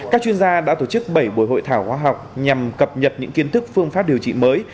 các chuyên gia đã tổ chức bảy buổi hội thảo khoa học nhằm cập nhật những kiến thức phương pháp điều trị mới